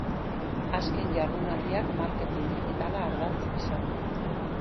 Azken jardunaldiak marketin digitala ardatz izan du.